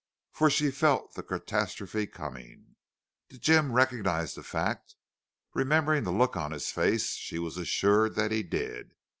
For she felt the catastrophe coming. Did Jim recognize that fact? Remembering the look on his face, she was assured that he did.